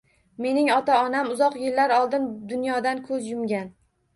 Mening ota-onam uzoq yillar oldin dunyodan koʻz yumgan